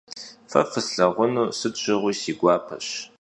Fe fıslhağunu sıt şığui si guapeş.